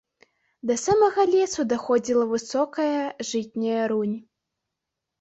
Да самага лесу даходзіла высокая жытняя рунь.